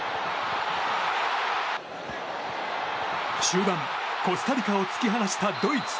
終盤コスタリカを突き放したドイツ。